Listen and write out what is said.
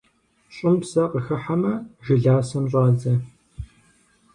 ЩӀым псэ къыхыхьэмэ, жыласэм щӀадзэ.